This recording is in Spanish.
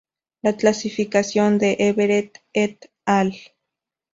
La clasificación de Everett "et al.